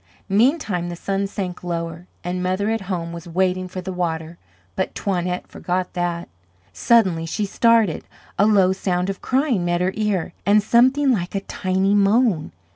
Meantime, the sun sank lower, and mother at home was waiting for the water, but Toinette forgot that. Suddenly she started. A low sound of crying met her ear, and something like a tiny moan.